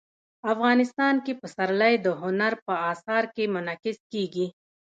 افغانستان کې پسرلی د هنر په اثار کې منعکس کېږي.